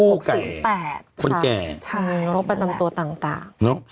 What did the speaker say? รูขนตัวต่าง